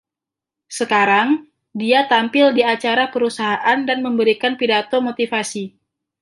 Sekarang, dia tampil di acara perusahaan dan memberikan pidato motivasi.